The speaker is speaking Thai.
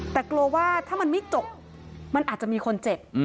แต่กลัวว่าถ้ามันไม่จบมันอาจจะมีคนเจ็บ